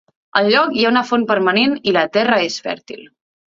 Al lloc hi ha una font permanent i la terra és fèrtil.